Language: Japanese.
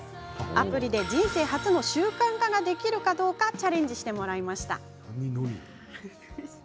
アプリで人生初の習慣化ができるかどうかチャレンジしてもらいました。